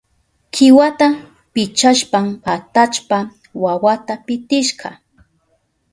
Kiwata pichashpan atallpa wawata pitishka.